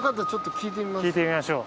聞いてみましょう。